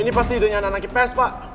ini pasti idonya anak anak yang pes pak